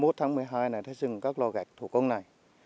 ba mươi một tháng một mươi hai này thì dừng các loa gạch thủ công này